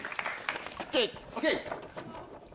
・ＯＫ。